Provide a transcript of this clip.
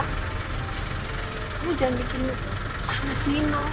kamu jangan bikin panas nno